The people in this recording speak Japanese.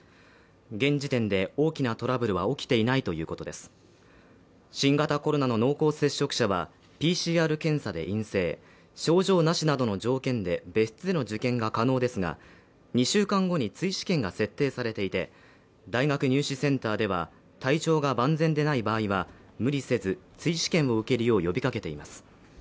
現時点で大きなトラブルは起きていないということです新型コロナの濃厚接触者はＰＣＲ検査で陰性症状なしなどの条件で別室での受験が可能ですが２週間後に追試験が設定されていて大学入試センターでは体調が万全でない場合は無理せず追試験を受けるよう呼びかけています